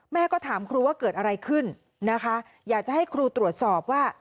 แม่ก็ถามครูว่าเกิดอะไรขึ้นนะคะอยากจะให้ครูตรวจสอบว่า